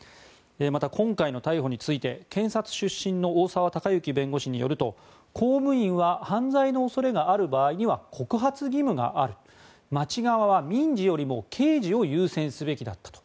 また、今回の逮捕について警察出身の大澤孝征弁護士によると公務員は犯罪の恐れがある場合には告発義務がある町側は民事よりも刑事を優先するべきだったと。